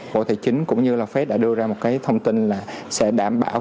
bộ tài chính cũng như là phép đã đưa ra một cái thông tin là sẽ đảm bảo